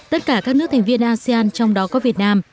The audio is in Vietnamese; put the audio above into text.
tất cả các nước thành viên asean trong đó có việt nam